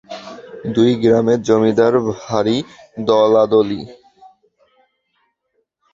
দুই গ্রামের জমিদার ভারি দলাদলি।